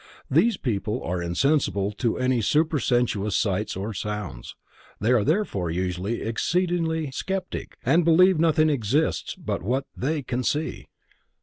Those people are insensible to any supersensuous sights or sounds. They are therefore usually exceedingly sceptic, and believe nothing exists but what they can see.